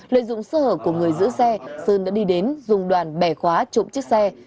lợi dụng sơ hở của người giữ xe sơn đã đi đến dùng đoàn bẻ khóa trộm chiếc xe